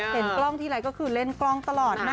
เห็นกล้องทีไรก็คือเล่นกล้องตลอดนะ